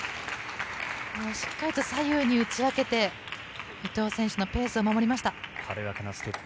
しっかりと左右に打ち分けて伊藤選手のペースを軽やかなステップ。